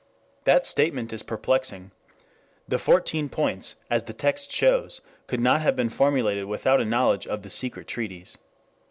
That statement is perplexing. The Fourteen Points, as the text shows, could not have been formulated without a knowledge of the secret treaties.